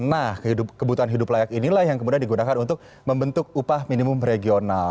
nah kebutuhan hidup layak inilah yang kemudian digunakan untuk membentuk upah minimum regional